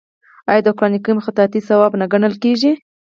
آیا د قران کریم خطاطي ثواب نه ګڼل کیږي؟